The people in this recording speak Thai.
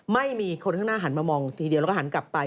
ไม่มีคนข้างหน้าหันมามองทีเดียวแล้วก็หันกลับไป